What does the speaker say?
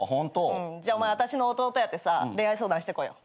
じゃあお前私の弟やってさ恋愛相談してこいよ。